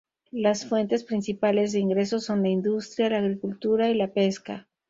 Las fuentes principales de ingresos son la industria, la agricultura y la pesca.